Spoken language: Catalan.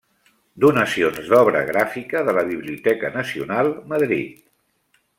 Donacions d'Obra Gràfica de la Biblioteca Nacional, Madrid.